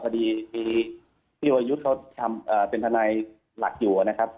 คดีที่พี่วรยุทธ์เขาทำเป็นทนายหลักอยู่นะครับ